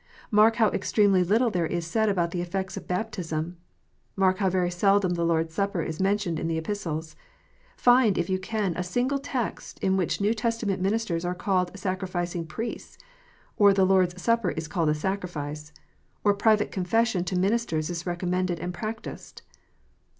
Mark how extremely little there is said about the effects of baptism. Mark how very seldom the Lord s Supper is mentioned in the Epistles. Find, if you can, a single text in which New Testament ministers are called sacrificing priests, or the Lord s Supper is called a sacrifice, or private confession to ministers is recommended and practised.